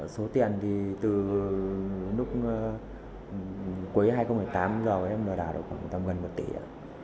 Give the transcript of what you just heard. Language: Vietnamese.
số tiền thì từ cuối hai nghìn một mươi tám giờ em đã đạt được khoảng gần một tỷ